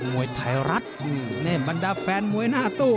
มวยไทยรัฐนี่บรรดาแฟนมวยหน้าตู้